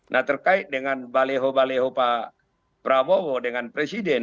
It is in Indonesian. nah terkait dengan baliho baliho pak prabowo dengan presiden